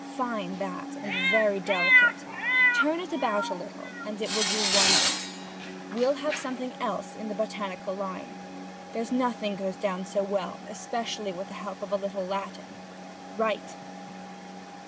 Fine that, and very delicate! Turn it about a little, and it will do wonders. We'll have some thing else in the botanical line. There's nothing goes down so well, especially with the help of a little Latin. Write!